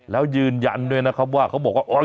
แล้วยืนยันด้วยนะครับว่าเขาบอกว่า